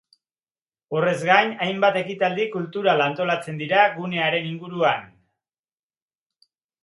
Horrez gain, hainbat ekitaldi kultural antolatzen dira gunearen inguruan.